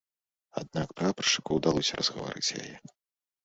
Аднак прапаршчыку ўдалося разгаварыць яе.